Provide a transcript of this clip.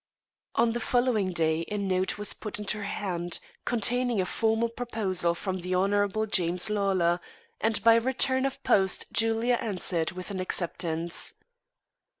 On the following day a note was put into her hand, containing a formal proposal from the Hon. James Lawlor; and by return of post Julia answered with an acceptance.